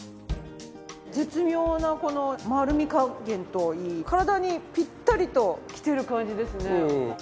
絶妙なこの丸み加減といい体にピッタリときてる感じですね。